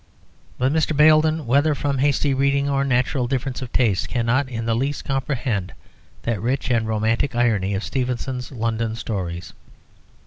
But Mr. Baildon, whether from hasty reading or natural difference of taste, cannot in the least comprehend that rich and romantic irony of Stevenson's London stories.